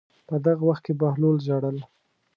په دغه وخت کې بهلول ژړل.